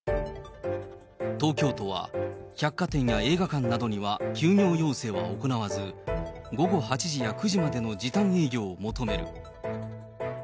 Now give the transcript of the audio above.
東京都は百貨店や映画館などには休業要請は行わず、午後８時や９時までの時短営業を求める。